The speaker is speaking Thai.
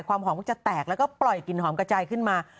ความหอมก็จะแตกแล้วก็ปล่อยกลิ่นหอมกระจายขึ้นมา